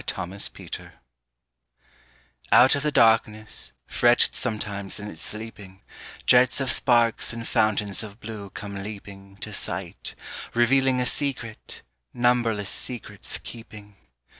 THE MYSTIC BLUE OUT of the darkness, fretted sometimes in its sleeping, Jets of sparks in fountains of blue come leaping To sight, revealing a secret, numberless secrets keeping.